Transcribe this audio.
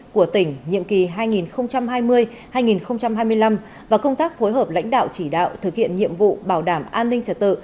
của tỉnh nhiệm kỳ hai nghìn hai mươi hai nghìn hai mươi năm và công tác phối hợp lãnh đạo chỉ đạo thực hiện nhiệm vụ bảo đảm an ninh trật tự